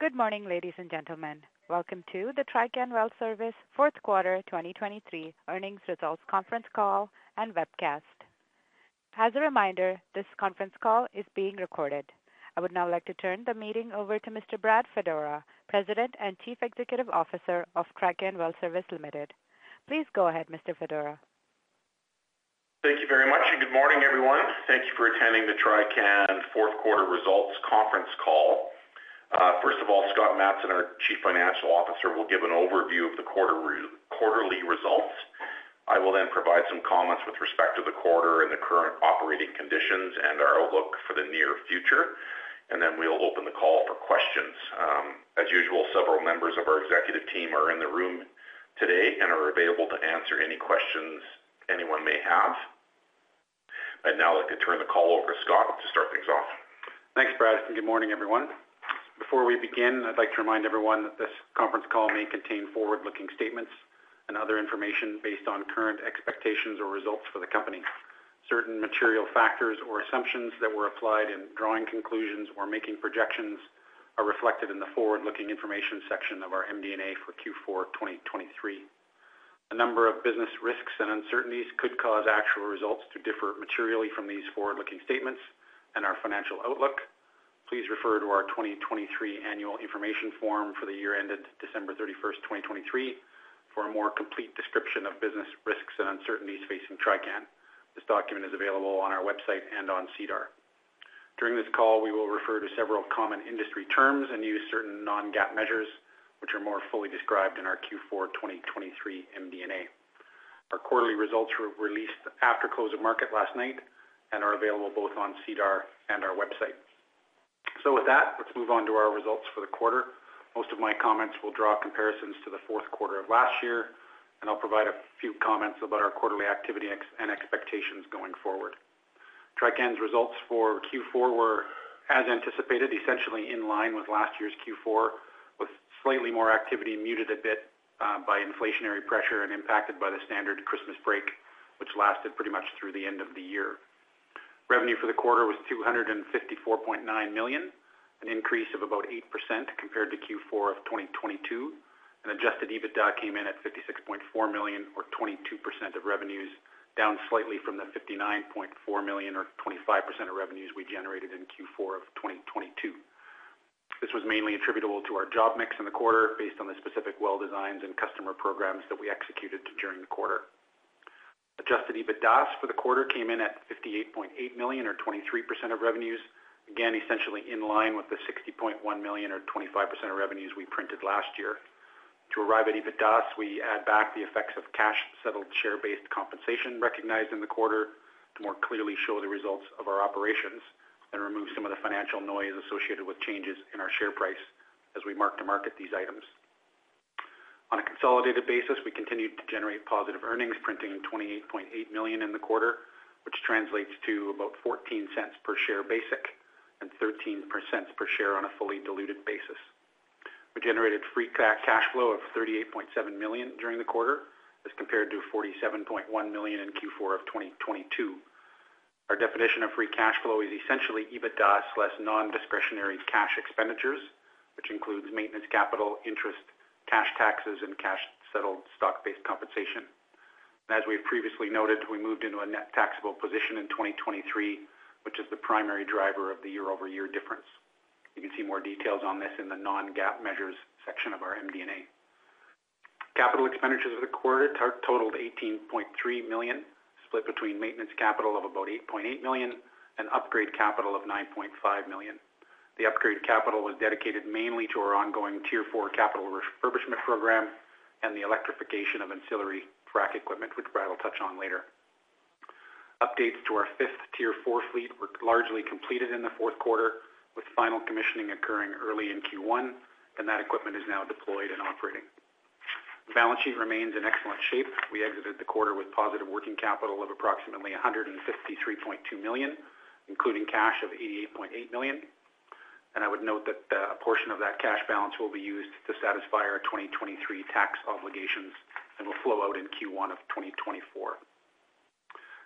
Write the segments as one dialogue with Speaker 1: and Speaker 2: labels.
Speaker 1: Good morning, ladies and gentlemen. Welcome to the Trican Well Service Q4 2023 earnings results conference call and webcast. As a reminder, this conference call is being recorded. I would now like to turn the meeting over to Mr. Brad Fedora, President and Chief Executive Officer of Trican Well Service Limited. Please go ahead, Mr. Fedora.
Speaker 2: Thank you very much, and good morning, everyone. Thank you for attending the Trican Q4 results conference call. First of all, Scott Matson, our Chief Financial Officer, will give an overview of the quarterly results. I will then provide some comments with respect to the quarter and the current operating conditions and our outlook for the near future, and then we'll open the call for questions. As usual, several members of our executive team are in the room today and are available to answer any questions anyone may have. I'd now like to turn the call over to Scott to start things off.
Speaker 3: Thanks, Brad, and good morning, everyone. Before we begin, I'd like to remind everyone that this conference call may contain forward-looking statements and other information based on current expectations or results for the company. Certain material factors or assumptions that were applied in drawing conclusions or making projections are reflected in the forward-looking information section of our MD&A for Q4 2023. A number of business risks and uncertainties could cause actual results to differ materially from these forward-looking statements and our financial outlook. Please refer to our 2023 Annual Information Form for the year ended December 31st, 2023, for a more complete description of business risks and uncertainties facing Trican. This document is available on our website and on SEDAR. During this call, we will refer to several common industry terms and use certain non-GAAP measures, which are more fully described in our Q4 2023 MD&A. Our quarterly results were released after close of market last night and are available both on SEDAR and our website. So with that, let's move on to our results for the quarter. Most of my comments will draw comparisons to the Q4 of last year, and I'll provide a few comments about our quarterly activity and expectations going forward. Trican's results for Q4 were, as anticipated, essentially in line with last year's Q4, with slightly more activity muted a bit by inflationary pressure and impacted by the standard Christmas break, which lasted pretty much through the end of the year. Revenue for the quarter was 254.9 million, an increase of about 8% compared to Q4 of 2022, and adjusted EBITDA came in at 56.4 million, or 22% of revenues, down slightly from the 59.4 million or 25% of revenues we generated in Q4 of 2022. This was mainly attributable to our job mix in the quarter based on the specific well designs and customer programs that we executed during the quarter. Adjusted EBITDAS for the quarter came in at 58.8 million or 23% of revenues, again, essentially in line with the 60.1 million or 25% of revenues we printed last year. To arrive at EBITDAS, we add back the effects of cash-settled, share-based compensation recognized in the quarter to more clearly show the results of our operations and remove some of the financial noise associated with changes in our share price as we mark to market these items. On a consolidated basis, we continued to generate positive earnings, printing 28.8 million in the quarter, which translates to about 0.14 per share basic and 0.13 per share on a fully diluted basis. We generated free cash flow of 38.7 million during the quarter, as compared to 47.1 million in Q4 of 2022. Our definition of free cash flow is essentially EBITDAS less non-discretionary cash expenditures, which includes maintenance, capital, interest, cash taxes, and cash-settled, stock-based compensation. As we've previously noted, we moved into a net taxable position in 2023, which is the primary driver of the year-over-year difference. You can see more details on this in the non-GAAP measures section of our MD&A. Capital expenditures of the quarter totaled 18.3 million, split between maintenance capital of about 8.8 million and upgrade capital of 9.5 million. The upgrade capital was dedicated mainly to our ongoing Tier 4 capital refurbishment program and the electrification of ancillary frac equipment, which Brad will touch on later. Updates to our 5th Tier 4 fleet were largely completed in the Q4, with final commissioning occurring early in Q1, and that equipment is now deployed and operating. The balance sheet remains in excellent shape. We exited the quarter with positive working capital of approximately 153.2 million, including cash of 88.8 million, and I would note that a portion of that cash balance will be used to satisfy our 2023 tax obligations and will flow out in Q1 of 2024.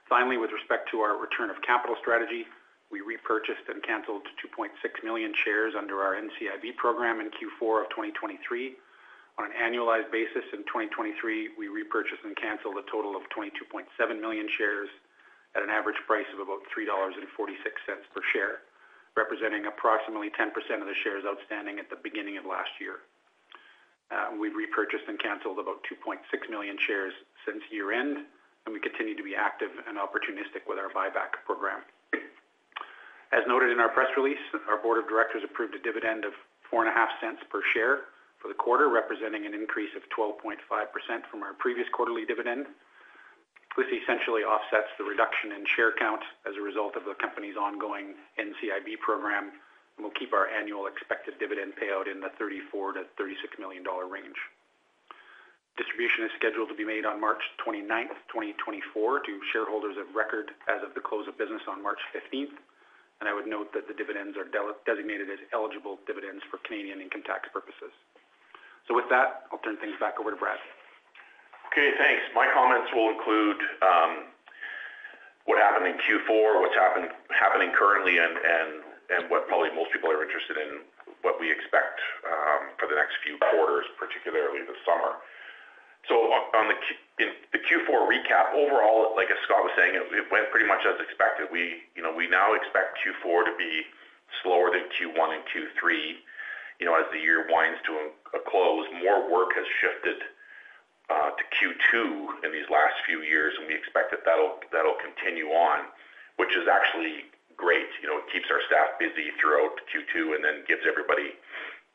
Speaker 3: Finally, with respect to our return of capital strategy, we repurchased and canceled 2.6 million shares under our NCIB program in Q4 of 2023. On an annualized basis in 2023, we repurchased and canceled a total of 22.7 million shares at an average price of about 3.46 dollars per share, representing approximately 10% of the shares outstanding at the beginning of last year. We've repurchased and canceled about 2.6 million shares since year-end, and we continue to be active and opportunistic with our buyback program. As noted in our press release, our board of directors approved a dividend of 0.045 per share for the quarter, representing an increase of 12.5% from our previous quarterly dividend. This essentially offsets the reduction in share count as a result of the company's ongoing NCIB program, and we'll keep our annual expected dividend payout in the 34 million-36 million dollar range. Distribution is scheduled to be made on March 29, 2024, to shareholders of record as of the close of business on March 15, and I would note that the dividends are designated as eligible dividends for Canadian income tax purposes. So with that, I'll turn things back over to Brad.
Speaker 2: Okay, thanks. My comments will include what happened in Q4, what's happening currently, and what probably most people are interested in, what we expect for the next few quarters, particularly the summer. So, in the Q4 recap, overall, like as Scott was saying, it went pretty much as expected. You know, we now expect Q4 to be slower than Q1 and Q3. You know, as the year winds to a close, more work has shifted to Q2 in these last few years, and we expect that'll continue on, which is actually great. You know, it keeps our staff busy throughout Q2 and then gives everybody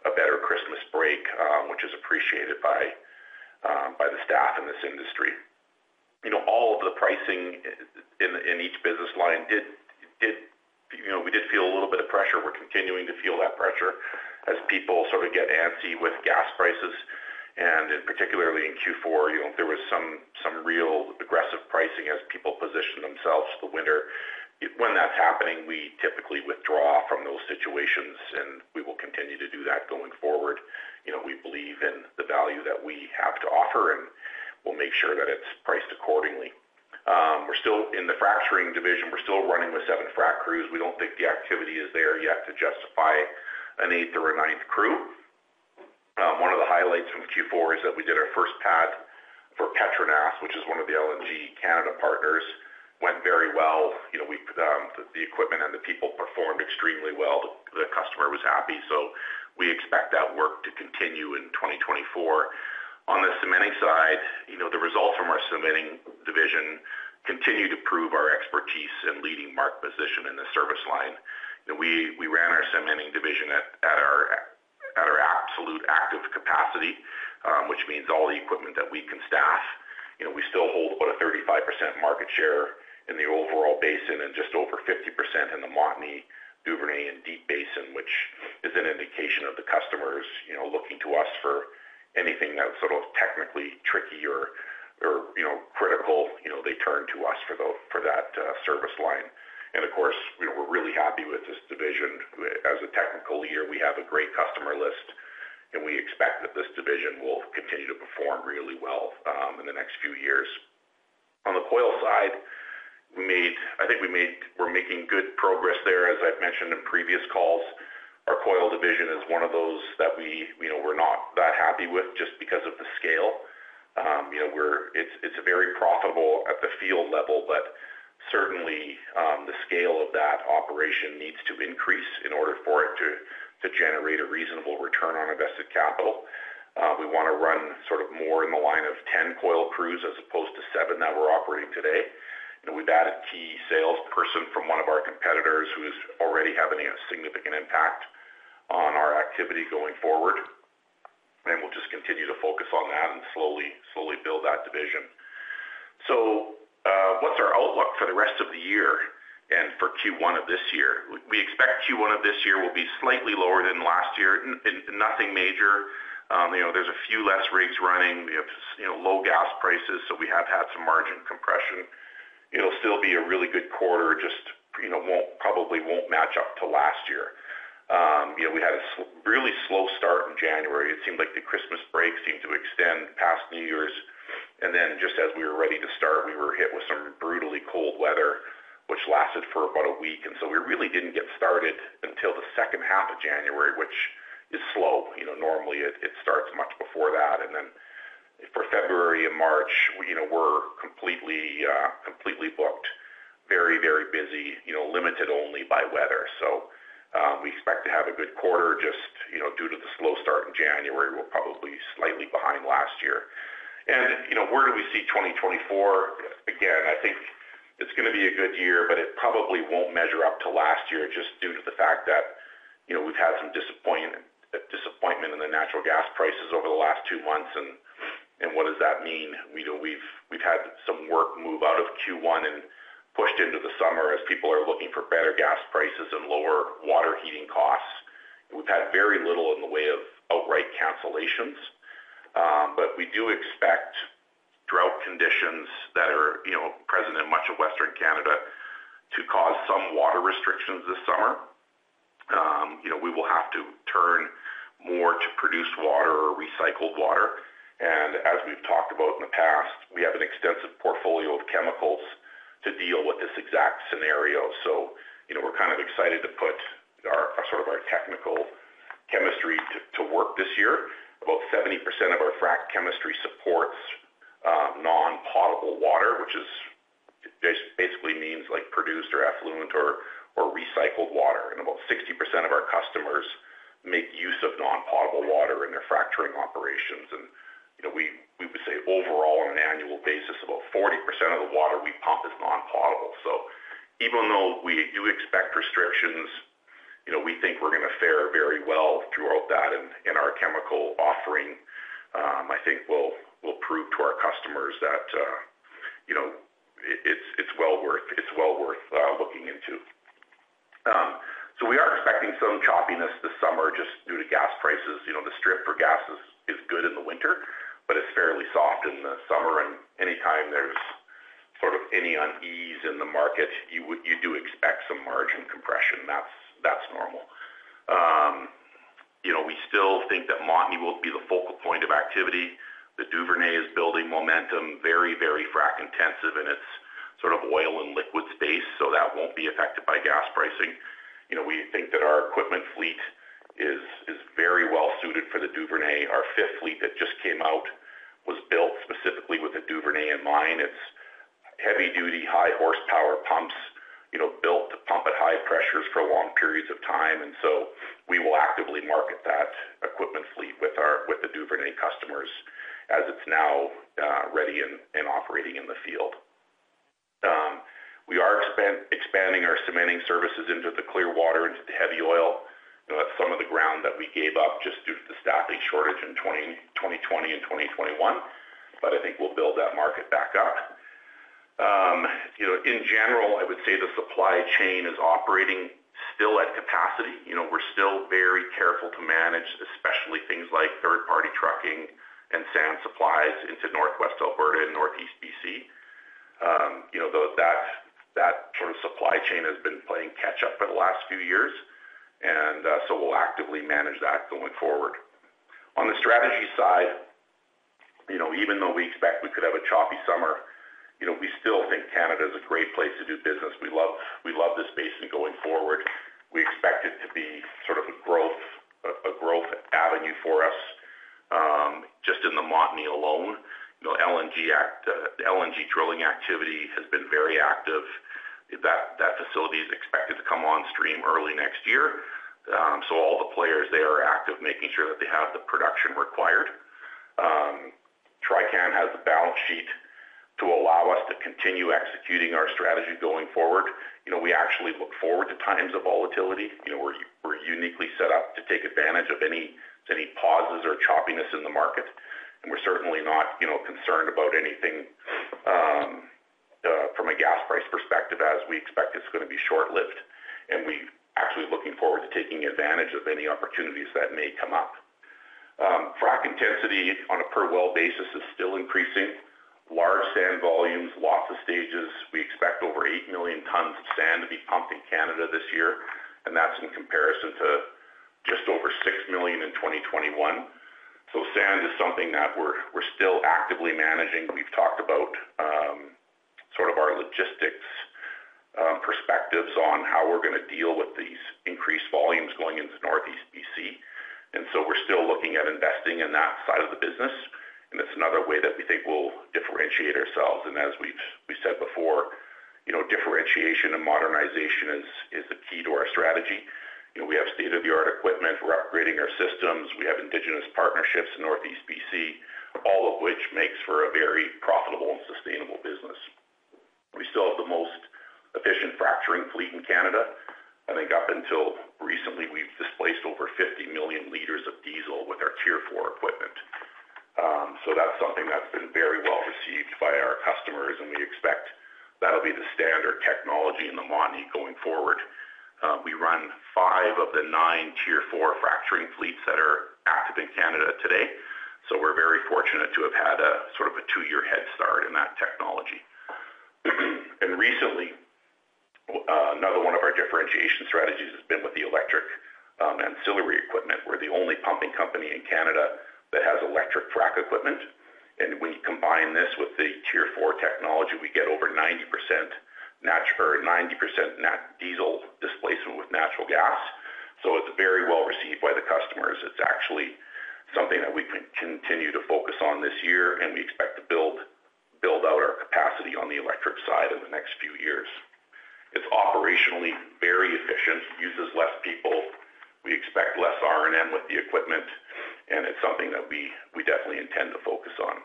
Speaker 2: a better Christmas break, which is appreciated by the staff in this industry. You know, all of the pricing in each business line did, you know, we did feel a little bit of pressure. We're continuing to feel that pressure as people sort of get antsy with gas prices, and particularly in Q4, you know, there was some real aggressive pricing as people positioned themselves for the winter. When that's happening, we typically withdraw from those situations, and we will continue to do that going forward. You know, we believe in the value that we have to offer, and we'll make sure that it's priced accordingly. We're still in the fracturing division. We're still running with 7 frac crews. We don't think the activity is there yet to justify an 8th or a 9th crew. One of the highlights from Q4 is that we did our first pad for Petronas, which is one of the LNG Canada partners. Went very well. You know, we, the equipment and the people performed extremely well. The, the customer was happy, so we expect that work to continue in 2024. On the cementing side, you know, the results from our cementing division continue to prove our expertise and leading market position in the service line. And we, we ran our cementing division at our absolute active capacity, which means all the equipment that we can staff. You know, we still hold about a 35% market share in the overall basin and just over 50% in the Montney Duvernay and Deep Basin, which is an indication of the customers, you know, looking to us for anything that's sort of technically tricky or, or, you know, critical, you know, they turn to us for the, for that, service line. Of course, you know, we're really happy with this division. As a technical leader, we have a great customer list, and we expect that this division will continue to perform really well in the next few years. On the coil side, we're making good progress there. As I've mentioned in previous calls, our coil division is one of those that we, you know, we're not that happy with just because of the scale. You know, it's very profitable at the field level, but certainly the scale of that operation needs to increase in order for it to generate a reasonable return on invested capital. We wanna run sort of more in the line of 10 coil crews, as opposed to 7 that we're operating today. We've added key salesperson from one of our competitors, who is already having a significant impact on our activity going forward, and we'll just continue to focus on that and slowly, slowly build that division. So, what's our outlook for the rest of the year and for Q1 of this year? We expect Q1 of this year will be slightly lower than last year. Nothing major. You know, there's a few less rigs running. We have, you know, low gas prices, so we have had some margin compression. It'll still be a really good quarter, just, you know, won't, probably won't match up to last year. You know, we had a really slow start in January. It seemed like the Christmas break seemed to extend past New Year's, and then just as we were ready to start, we were hit with some brutally cold weather, which lasted for about a week, and so we really didn't get started until the H2 of January, which is slow. You know, normally it starts much before that. And then for February and March, we, you know, we're completely completely booked. Very, very busy, you know, limited only by weather. So, we expect to have a good quarter just, you know, due to the slow start in January, we're probably slightly behind last year. And, you know, where do we see 2024? Again, I think it's gonna be a good year, but it probably won't measure up to last year just due to the fact that, you know, we've had some disappointment, disappointment in the natural gas prices over the last 2 months. And what does that mean? We know we've had some work move out of Q1 and pushed into the summer as people are looking for better gas prices and lower water heating costs. We've had very little in the way of outright cancellations, but we do expect drought conditions that are, you know, present in much of Western Canada to cause some water restrictions this summer. You know, we will have to turn more to produced water or recycled water, and as we've talked about in the past, we have an extensive portfolio of chemicals to deal with this exact scenario. So, you know, we're kind of excited to put our, sort of our technical chemistry to work this year. About 70% of our frac chemistry supports non-potable water, which is basically, like, produced or effluent or recycled water, and about 60% of our customers make use of non-potable water in their fracturing operations. And, you know, we would say overall, on an annual basis, about 40% of the water we pump is non-potable. So even though we do expect restrictions, you know, we think we're gonna fare very well throughout that, and our chemical offering, I think will prove to our customers that, you know, it's well worth looking into. So we are expecting some choppiness this summer, just due to gas prices. You know, the strip for gas is good in the winter, but it's fairly soft in the summer, and anytime there's sort of any unease in the market, normal. You know, we still think that Montney will be the focal point of activity. The Duvernay is building momentum, very, very frac intensive in its sort of oil and liquid space, so that won't be affected by gas pricing. You know, we think that our equipment fleet is very well suited for the Duvernay. Our fifth fleet that just came out was built specifically with the Duvernay in mind. It's heavy duty, high horsepower pumps, you know, built to pump at high pressures for long periods of time, and so we will actively market that equipment fleet with our Duvernay customers as it's now ready and operating in the field. We are expanding our cementing services into the Clearwater, into the heavy oil. You know, that's some of the ground that we gave up just due to the staffing shortage in 2020 and 2021, but I think we'll build that market back up. You know, in general, I would say the supply chain is operating still at capacity. You know, we're still very careful to manage, especially things like third-party trucking and sand supplies into Northwest Alberta and Northeast BC. You know, that sort of supply chain has been playing catch up for the last few years, and so we'll actively manage that going forward. On the strategy side, you know, even though we expect we could have a choppy summer, you know, we still think Canada is a great place to do business. We love, we love this basin going forward. We expect it to be sort of a growth avenue for us. Just in the Montney alone, you know, LNG drilling activity You know, we have state-of-the-art equipment. We're upgrading our systems. We have Indigenous partnerships in Northeast BC, all of which makes for a very profitable and sustainable business. We still have the most efficient fracturing fleet in Canada. I think up until recently, we've displaced over 50 million liters of diesel with our Tier 4 equipment. So that's something that's been very well received by our customers, and we expect that'll be the standard technology in the Montney going forward. We run 5 of the 9 Tier 4 fracturing fleets that are active in Canada today, so we're very fortunate to have had a sort of a 2-year head start in that technology. And recently, another one of our differentiation strategies has been with the electric, ancillary equipment. We're the only pumping company in Canada that has electric frac equipment, and when you combine this with the Tier 4 technology, we get over 90% natural gas diesel displacement. So it's very well received by the customers. It's actually something that we can continue to focus on this year, and we expect to build out our capacity on the electric side in the next few years. It's operationally very efficient, uses less people. We expect less R&M with the equipment, and it's something that we definitely intend to focus on.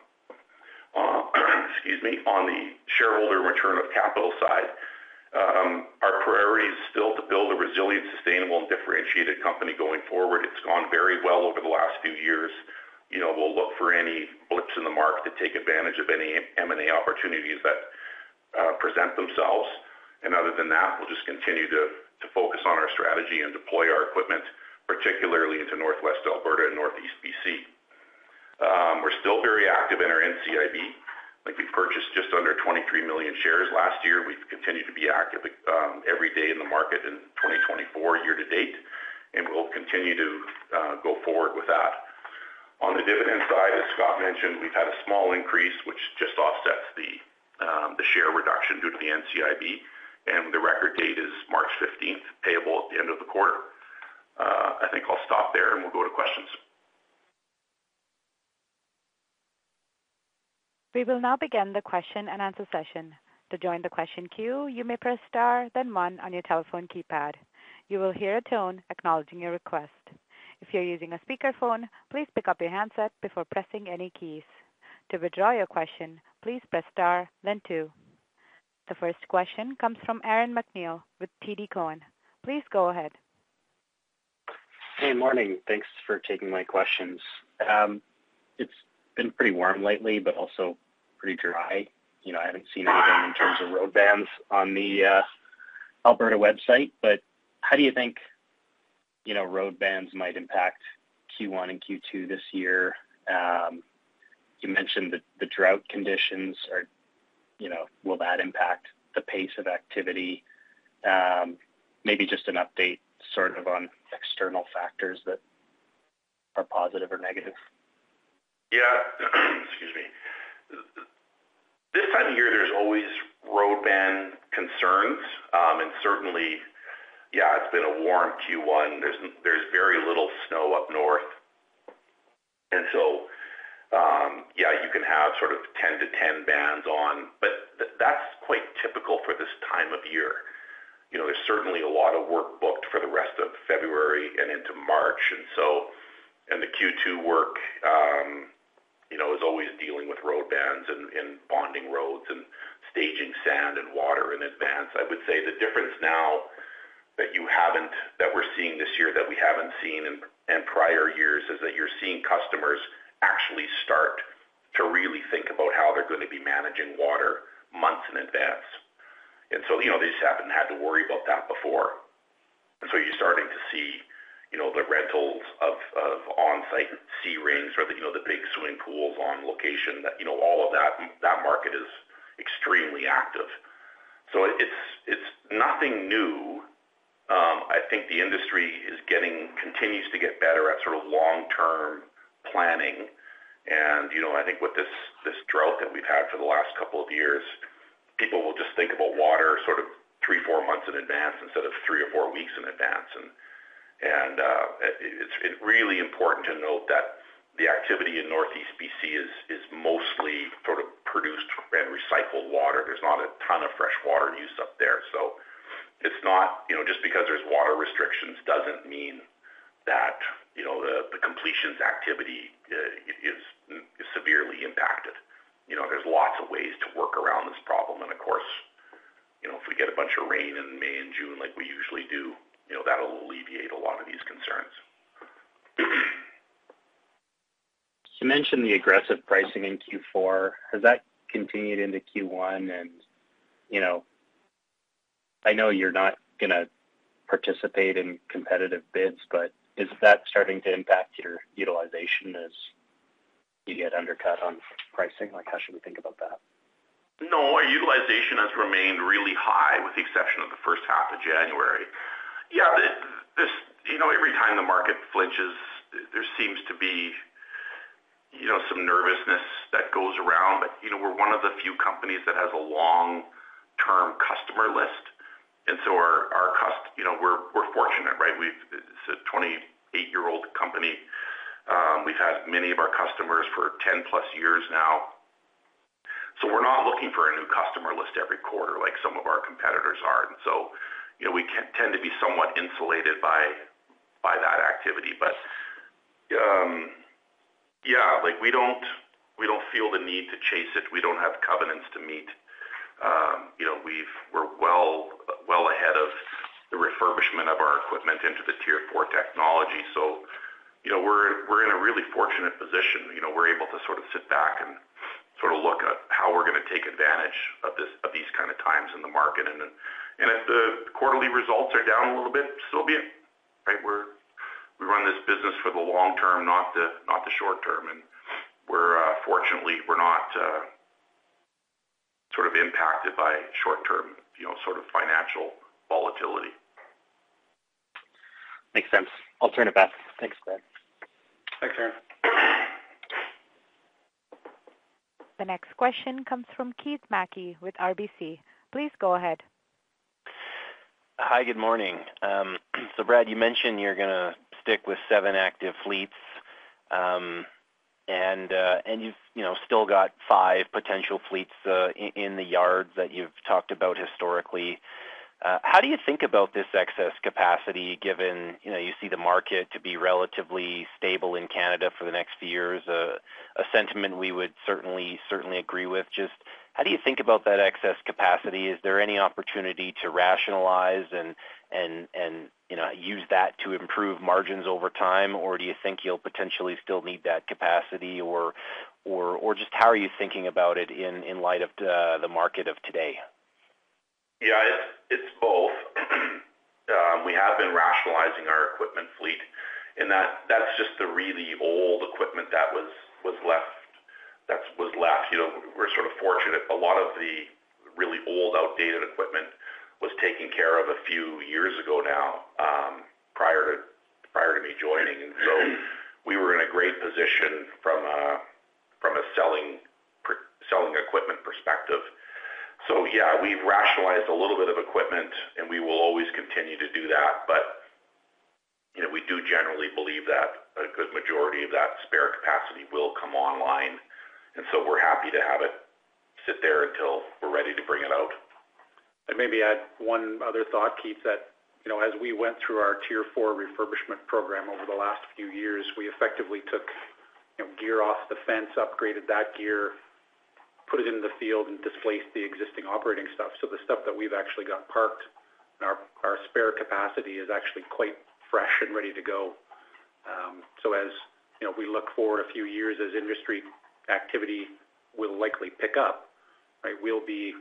Speaker 2: Excuse me. On the shareholder return of capital side, our priority is still to build a resilient, sustainable, and differentiated company going forward. It's gone very well over the last few years. You know, we'll look for any blips in the market to take advantage of any M&A opportunities that present themselves. And other than that, we'll just continue to focus on our strategy and deploy our equipment, particularly into Northwest Alberta and Northeast BC. We're still very active in our NCIB. I think we purchased just under 23 million shares last year. We've continued to be active every day in the market in 2024, year to date, and we'll continue to go forward with that. On the dividend side, as Scott mentioned, we've had a small increase, which just offsets the share reduction due to the NCIB, and the record date is March fifteenth, payable at the end of the quarter. I think I'll stop there, and we'll go to questions.
Speaker 1: We will now begin the question-and-answer session. To join the question queue, you may press *, then 1 on your telephone keypad. You will hear a tone acknowledging your request. If you're using a speakerphone, please pick up your handset before pressing any keys. To withdraw your question, please press * then 2. The first question comes from Aaron MacNeil with TD Cowen. Please go ahead.
Speaker 4: Hey, morning. Thanks for taking my questions. It's been pretty warm lately, but also pretty dry. You know, I haven't seen anything in terms of road bans on the Alberta website, but how do you think, you know, road bans might impact Q1 and Q2 this year?... You mentioned the drought conditions are, you know, will that impact the pace of activity? Maybe just an update sort of on external factors that are positive or negative.
Speaker 2: Yeah. Excuse me. This time of year, there's always road ban concerns. And certainly, yeah, it's been a warm Q1. There's very little snow up north. And so, yeah, you can have sort of 10 to 10 bans on, but that's quite typical for this time of year. You know, there's certainly a lot of work booked for the rest of February and into March, and so, and the Q2 work, you know, is always dealing with road bans and bonding roads and staging sand and water in advance. I would say the difference now that we're seeing this year that we haven't seen in prior years is that you're seeing customers actually start to really think about how they're going to be managing water months in advance. And so, you know, they just haven't had to worry about that before. You're starting to see, you know, the rentals of on-site C-rings or the, you know, the big swimming pools on location, that, you know, all of that market is extremely active. So it's nothing new. I think the industry continues to get better at sort of long-term planning. And, you know, I think with this drought that we've had for the last couple of years, people will just think about water sort of 3 or 4months in advance instead of 3 or 4 weeks in advance. And it's really important to note that the activity in Northeast BC is mostly sort of produced and recycled water. There's not a ton of fresh water use up there. It's not, you know, just because there's water restrictions doesn't mean that, you know, the completions activity is severely impacted. You know, there's lots of ways to work around this problem. And of course, you know, if we get a bunch of rain in May and June, like we usually do, you know, that'll alleviate a lot of these concerns.
Speaker 4: You mentioned the aggressive pricing in Q4. Has that continued into Q1? And, you know, I know you're not gonna participate in competitive bids, but is that starting to impact your utilization as you get undercut on pricing? Like, how should we think about that?
Speaker 2: No, our utilization has remained really high, with the exception of the H1 of January. Yeah, this you know, every time the market flinches, there seems to be, you know, some nervousness that goes around. But, you know, we're one of the few companies that has a long-term customer list, and so our you know, we're, we're fortunate, right? We've—It's a 28-year-old company. We've had many of our customers for 10+ years now. So we're not looking for a new customer list every quarter like some of our competitors are. And so, you know, we tend to be somewhat insulated by, by that activity. But, yeah, like, we don't, we don't feel the need to chase it. We don't have covenants to meet. You know, we've – we're well, well ahead of the refurbishment of our equipment into the Tier 4 technology. So, you know, we're, we're in a really fortunate position. You know, we're able to sort of sit back and sort of look at how we're gonna take advantage of this, of these kind of times in the market. And if the quarterly results are down a little bit, so be it, right? We run this business for the long term, not the short term. And we're fortunately not sort of impacted by short-term, you know, sort of financial volatility.
Speaker 4: Makes sense. I'll turn it back. Thanks, Brad.
Speaker 2: Thanks, Aaron.
Speaker 1: The next question comes from Keith Mackey with RBC. Please go ahead.
Speaker 5: Hi, good morning. So Brad, you mentioned you're gonna stick with 7 active fleets. And you've, you know, still got five potential fleets in the yards that you've talked about historically. How do you think about this excess capacity, given, you know, you see the market to be relatively stable in Canada for the next few years? A sentiment we would certainly, certainly agree with. Just how do you think about that excess capacity? Is there any opportunity to rationalize and, you know, use that to improve margins over time? Or do you think you'll potentially still need that capacity? Or just how are you thinking about it in light of the market of today?
Speaker 2: Yeah, it's both. We have been rationalizing our equipment fleet, and that's just the really old equipment that was left. You know, we're sort of fortunate. A lot of the really old, outdated equipment was taken care of a few years ago now, prior to me joining. And so we were in a great position from a selling equipment perspective. So yeah, we've rationalized a little bit of equipment, and we will always continue to do that. But, you know, we do generally believe that a good majority of that spare capacity will come online, and so we're happy to have it sit there until we're ready to bring it out.
Speaker 3: I maybe add one other thought, Keith, that, you know, as we went through our Tier 4 refurbishment program over the last few years, we effectively took, you know, gear off the fence, upgraded that gear, put it in the field, and displaced the existing operating stuff. So the stuff that we've actually got parked in our, our spare capacity is actually quite fresh and ready to go. So as you know, we look forward a few years as industry activity-... will likely pick up, right? We'll be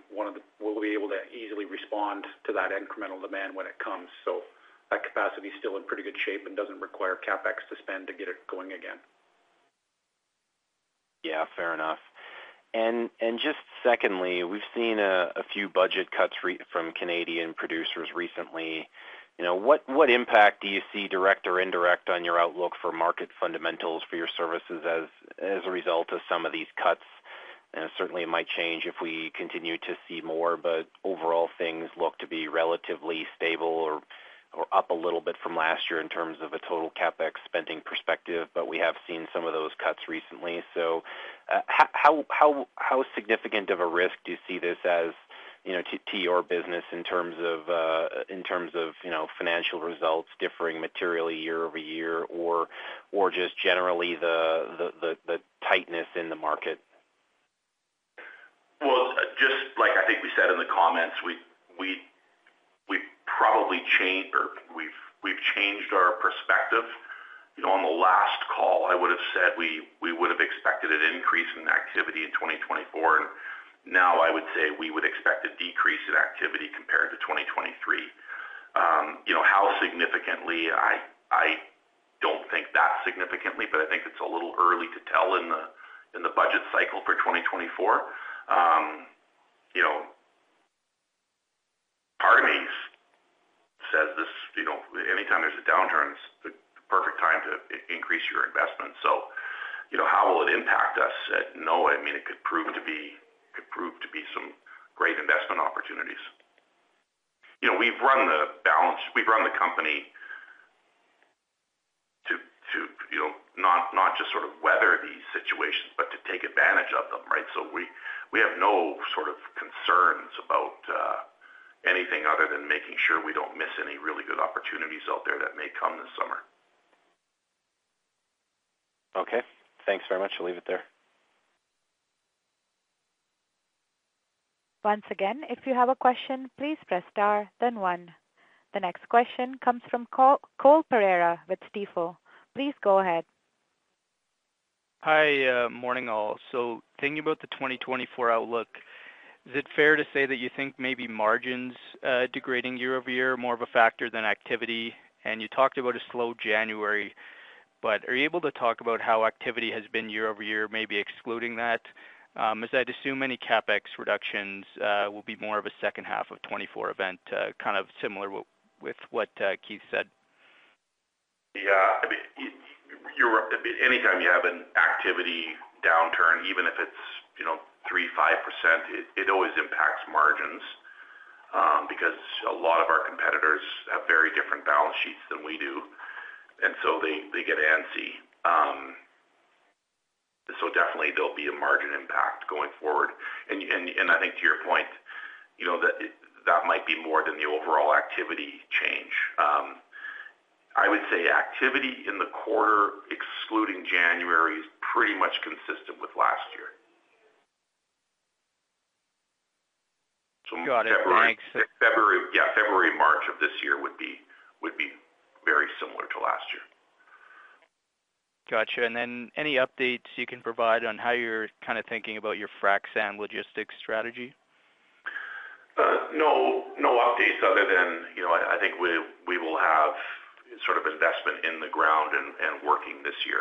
Speaker 3: able to easily respond to that incremental demand when it comes. So that capacity is still in pretty good shape and doesn't require CapEx to spend to get it going again.
Speaker 5: Yeah, fair enough. And just secondly, we've seen a few budget cuts recently from Canadian producers. You know, what impact do you see, direct or indirect, on your outlook for market fundamentals for your services as a result of some of these cuts? And certainly, it might change if we continue to see more, but overall, things look to be relatively stable or up a little bit from last year in terms of a total CapEx spending perspective, but we have seen some of those cuts recently. So, how significant of a risk do you see this as, you know, to your business in terms of financial results differing materially year-over-year, or just generally the tightness in the market?
Speaker 2: Well, just like I think we said in the comments, we probably changed or we've changed our perspective. You know, on the last call, I would have said we would have expected an increase in activity in 2024, and now I would say we would expect a decrease in activity compared to 2023. You know, how significantly? I don't think that significantly, but I think it's a little early to tell in the budget cycle for 2024. You know, part of me says this, you know, anytime there's a downturn, it's the perfect time to increase your investment. So, you know, how will it impact us? I mean, it could prove to be some great investment opportunities. You know, we've run the balance... We've run the company to you know, not just sort of weather these situations, but to take advantage of them, right? So we have no sort of concerns about anything other than making sure we don't miss any really good opportunities out there that may come this summer.
Speaker 5: Okay, thanks very much. I'll leave it there.
Speaker 1: Once again, if you have a question, please press *, then 1. The next question comes from Cole Pereira with Stifel. Please go ahead.
Speaker 6: Hi, morning, all. So thinking about the 2024 outlook, is it fair to say that you think maybe margins degrading year-over-year are more of a factor than activity? And you talked about a slow January, but are you able to talk about how activity has been year-over-year, maybe excluding that? As I'd assume, any CapEx reductions will be more of a H2 of 2024 event, kind of similar with, with what Keith said.
Speaker 2: Yeah, I mean, anytime you have an activity downturn, even if it's, you know, 3%-5%, it always impacts margins because a lot of our competitors have very different balance sheets than we do, and so they get antsy. So definitely there'll be a margin impact going forward. And I think to your point, you know, that might be more than the overall activity change. I would say activity in the quarter, excluding January, is pretty much consistent with last year.
Speaker 6: Got it. Thanks.
Speaker 2: - yeah, February, March of this year would be very similar to last year.
Speaker 6: Got you. And then any updates you can provide on how you're kind of thinking about your frac sand logistics strategy?
Speaker 2: No, no updates other than, you know, I think we will have sort of investment in the ground and working this year.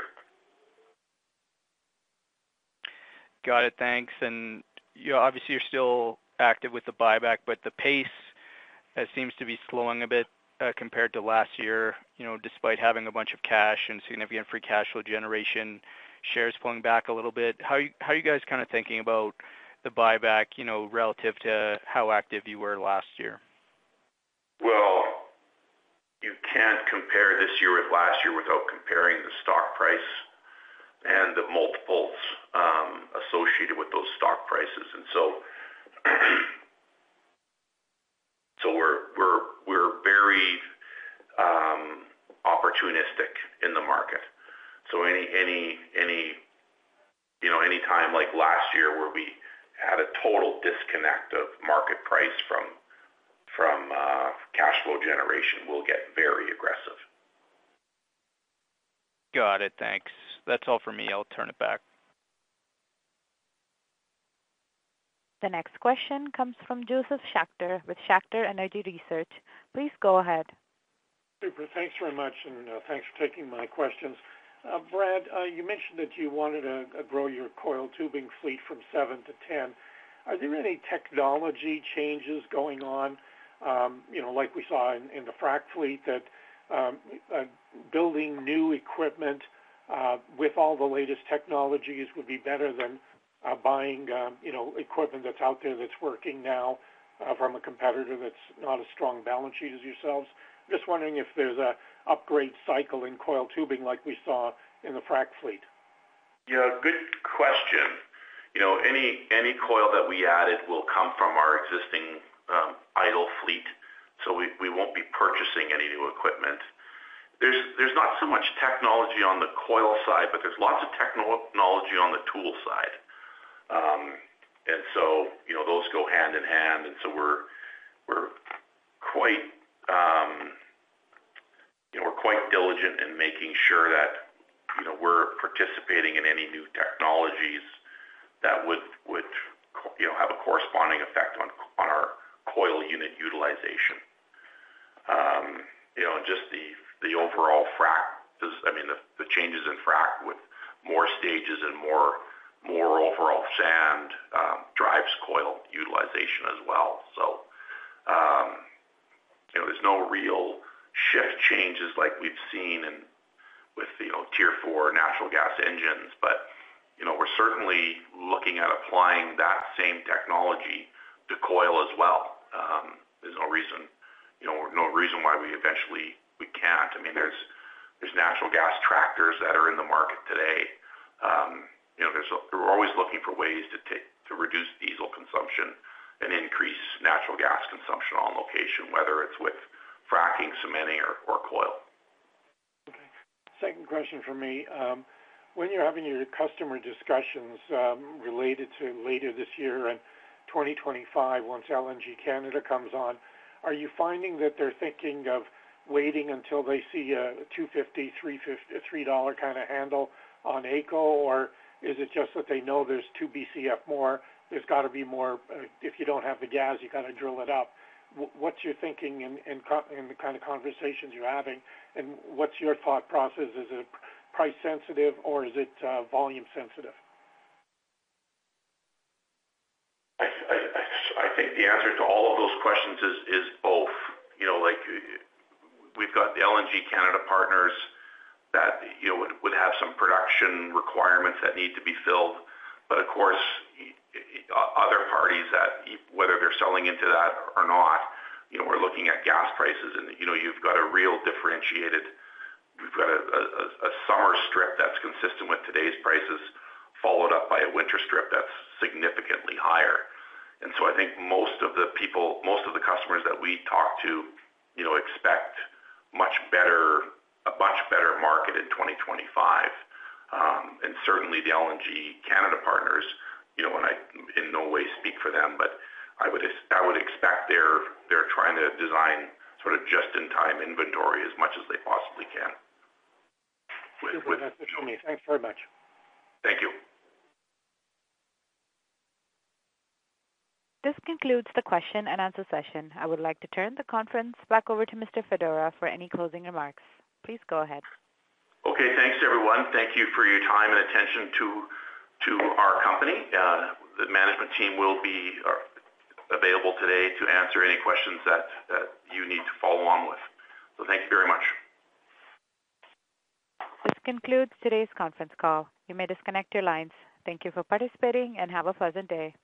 Speaker 6: Got it. Thanks. You know, obviously, you're still active with the buyback, but the pace seems to be slowing a bit, compared to last year, you know, despite having a bunch of cash and significant free cash flow generation, shares pulling back a little bit. How are you, how are you guys kind of thinking about the buyback, you know, relative to how active you were last year?
Speaker 2: Well, you can't compare this year with last year without comparing the stock price and the multiples associated with those stock prices. And so we're very opportunistic in the market. So any, you know, any time, like last year, where we had a total disconnect of market price from cash flow generation, we'll get very aggressive.
Speaker 6: Got it. Thanks. That's all for me. I'll turn it back.
Speaker 1: The next question comes from Josef Schachter with Schachter Energy Research. Please go ahead.
Speaker 7: Super. Thanks very much, and, thanks for taking my questions. Brad, you mentioned that you wanted to grow your coiled tubing fleet from 7 to 10. Are there any technology changes going on, you know, like we saw in the frac fleet, that building new equipment with all the latest technologies would be better than buying, you know, equipment that's out there that's working now from a competitor that's not as strong balance sheet as yourselves? Just wondering if there's an upgrade cycle in coiled tubing like we saw in the frac fleet.
Speaker 2: Yeah, good question. You know, any coil that we added will come from our existing, idle fleet, so we won't be purchasing any new equipment. There's not so much technology on the coil side, but there's lots of technology on the tool side. And so, you know, those go hand in hand, and so we're that, you know, we're participating in any new technologies that would, you know, have a corresponding effect on our coil unit utilization. You know, just the overall fracs, I mean, the changes in frac with more stages and more overall sand drives coil utilization as well. So, you know, there's no real shift changes like we've seen with the Tier 4 natural gas engines. But, you know, we're certainly looking at applying that same technology to coil as well. There's no reason, you know, no reason why we eventually we can't. I mean, there's natural gas tractors that are in the market today. You know, we're always looking for ways to take, to reduce diesel consumption and increase natural gas consumption on location, whether it's with fracing, cementing, or coil.
Speaker 7: Okay. Second question for me. When you're having your customer discussions, related to later this year and 2025, once LNG Canada comes on, are you finding that they're thinking of waiting until they see a 2.50 dollar, 3.50 dollar, a CAD 3 kind of handle on AECO? Or is it just that they know there's 2 BCF more, there's got to be more... If you don't have the gas, you got to drill it up. What, what's your thinking and, and, and the kind of conversations you're having, and what's your thought process? Is it price sensitive or is it, volume sensitive?
Speaker 2: I think the answer to all of those questions is both. You know, like, we've got the LNG Canada partners that, you know, would have some production requirements that need to be filled. But of course, other parties that whether they're selling into that or not, you know, we're looking at gas prices, and, you know, you've got a real differentiated. We've got a summer strip that's consistent with today's prices, followed up by a winter strip that's significantly higher. And so I think most of the people, most of the customers that we talk to, you know, expect much better, a much better market in 2025. And certainly the LNG Canada partners, you know, and I in no way speak for them, but I would expect they're trying to design sort of just-in-time inventory as much as they possibly can.
Speaker 7: Thanks very much.
Speaker 2: Thank you.
Speaker 1: This concludes the question and answer session. I would like to turn the conference back over to Mr. Fedora for any closing remarks. Please go ahead.
Speaker 2: Okay, thanks, everyone. Thank you for your time and attention to our company. The management team will be available today to answer any questions that you need to follow along with. Thank you very much.
Speaker 1: This concludes today's conference call. You may disconnect your lines. Thank you for participating, and have a pleasant day.